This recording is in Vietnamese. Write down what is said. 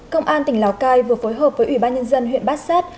công an tỉnh lào cai vừa phối hợp với ủy ban nhân dân huyện bát sát